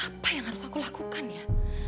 apa yang harus aku lakukan ya